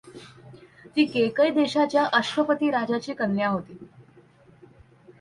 ती केकय देशाच्या अश्वपति राजाची कन्या होती.